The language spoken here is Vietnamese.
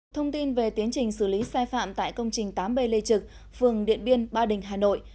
thông tin về tiến trình xử lý sai phạm tại công trình tám b lê trực phường điện biên ba đình hà nội